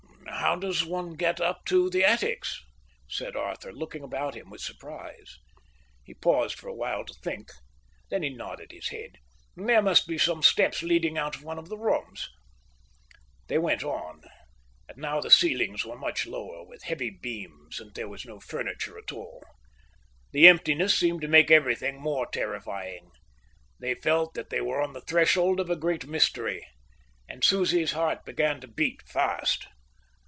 "How does one get up to the attics?" said Arthur, looking about him with surprise. He paused for a while to think. Then he nodded his head. "There must be some steps leading out of one of the rooms." They went on. And now the ceilings were much lower, with heavy beams, and there was no furniture at all. The emptiness seemed to make everything more terrifying. They felt that they were on the threshold of a great mystery, and Susie's heart began to beat fast.